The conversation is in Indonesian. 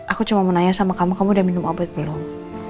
aku cuma menanya sama kamu kamu udah minum obat belum